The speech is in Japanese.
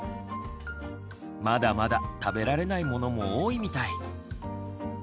まだまだ食べられないものも多いみたい。